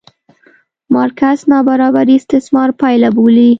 مارکس نابرابري استثمار پایله بولي.